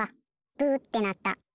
「ブー」ってなった。